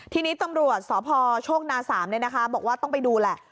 ทีนี้ตำรวจสพโชคนา๓บอกว่าต้องไปดูแหละ